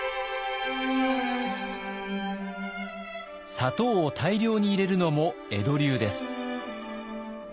砂糖を大量に入れるのも江戸流です。